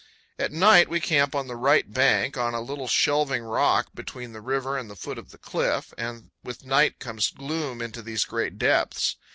At night we camp on the right bank, on a little shelving rock between the river and the foot of the cliff; and with night comes gloom into these great depths.